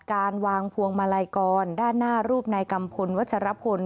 การวางพวงมะไล่กรอดด้านหน้ารูปในกัมพลวัชฌาปน